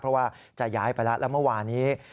เพราะว่าจะย้ายไปแล้วแล้วเมื่อวานี้